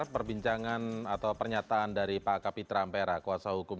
sebenarnya kita udah ngomong dua kali beatles m